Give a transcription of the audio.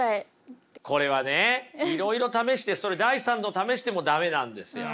これはねいろいろ試してそれ第３の試しても駄目なんですよ。